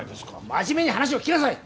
真面目に話を聞きなさい！